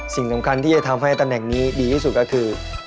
สิ่งสำคัญที่จะทำให้ตำแหน่งนี้ดีที่สุดก็คือ